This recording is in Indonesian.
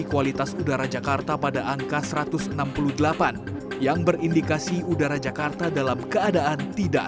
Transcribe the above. kualitas udara jakarta pada angka satu ratus enam puluh delapan yang berindikasi udara jakarta dalam keadaan tidak